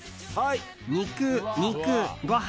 肉、肉、ご飯